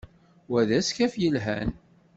Wa d askaf yelhan.